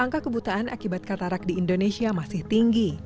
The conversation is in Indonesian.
angka kebutaan akibat katarak di indonesia masih tinggi